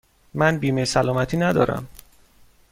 من بیمه سلامتی ندارم.